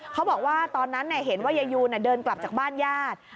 เขาบอกว่าตอนนั้นเห็นว่ายายูนเดินกลับจากบ้านญาติ